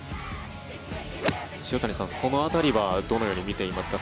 塩谷さん、その辺りはどのように見ていますか？